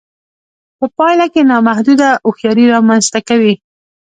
په پايله کې نامحدوده هوښياري رامنځته کوي.